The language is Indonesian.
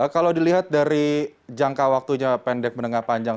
kalau dilihat dari jangka waktunya pendek menengah panjang